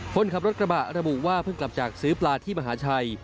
คนขับรถกระบะระบุว่าเพิ่งกลับจากซื้อปลาที่มหาชัย